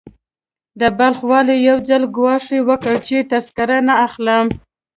د بلخ والي يو ځل ګواښ وکړ چې تذکره نه اخلم.